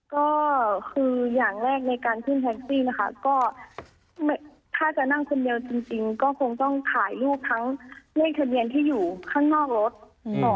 ก็คืออย่างแรกในการขึ้นแท็กซี่นะคะก็ถ้าจะนั่งคนเดียวจริงจริงก็คงต้องถ่ายรูปทั้งเลขทะเบียนที่อยู่ข้างนอกรถอืม